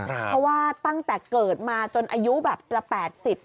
เพราะว่าตั้งแต่เกิดมาจนอายุแบบละ๘๐